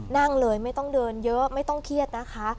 นั่งเลยไม่ต้องเดินเยอะไม่ต้องเครียดนะคะ